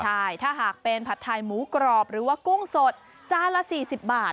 ใช่ถ้าหากเป็นผัดไทยหมูกรอบหรือว่ากุ้งสดจานละ๔๐บาท